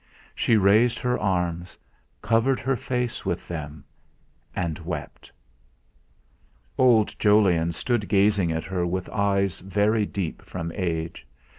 She raised her arms, covered her face with them, and wept. Old Jolyon stood gazing at her with eyes very deep from age.